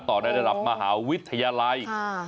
ในระดับมหาวิทยาลัย